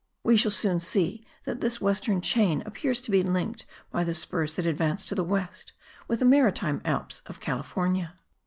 We shall soon see that this western chain appears to be linked by the spurs that advance to the west, with the maritime Alps of California.